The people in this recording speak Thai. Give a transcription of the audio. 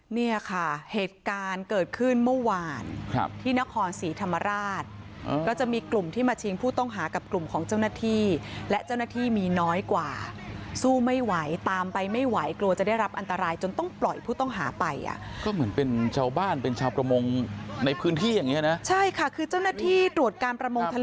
เนี่ยค่ะเหตุการณ์เกิดขึ้นเมื่อวานครับที่นครศรีธรรมราชก็จะมีกลุ่มที่มาชิงผู้ต้องหากับกลุ่มของเจ้าหน้าที่และเจ้าหน้าที่มีน้อยกว่าสู้ไม่ไหวตามไปไม่ไหวกลัวจะได้รับอันตรายจนต้องปล่อยผู้ต้องหาไปอ่ะก็เหมือนเป็นชาวบ้านเป็นชาวประมงในพื้นที่อย่างเงี้นะใช่ค่ะคือเจ้าหน้าที่ตรวจการประมงทะ